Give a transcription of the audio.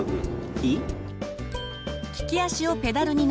いい？